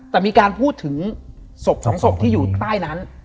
แต่มีการพูดถึงศพสองศพที่อยู่ใต้นั้น